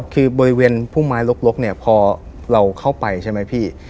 คือบริเวณพุ่มไม้ลกเนี่ยพอเราเข้าไปใช่ไหมพี่